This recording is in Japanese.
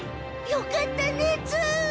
よかったねツウ。